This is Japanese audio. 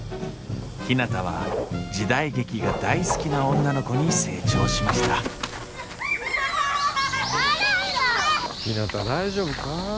ひなたは時代劇が大好きな女の子に成長しました笑うな！